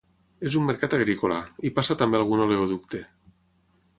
És un mercat agrícola; hi passa també algun oleoducte.